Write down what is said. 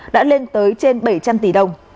đã lên tới trên bảy trăm linh tỷ đồng